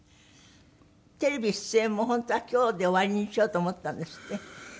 テレビ出演も本当は今日で終わりにしようと思ったんですって？